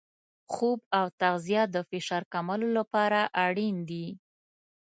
خوب او تغذیه د فشار کمولو لپاره اړین دي.